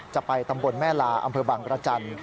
จะไปตำบลแม่ลาอำเภอบังรจันทร์